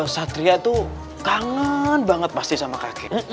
satria tuh kangen banget pasti sama kakek